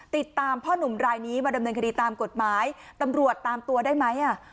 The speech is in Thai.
ติดตามพ่อนุ่มรายนี้มาดำเนินคดีตามกฎหมายตำรวจตามตัวได้ไหมอ่ะ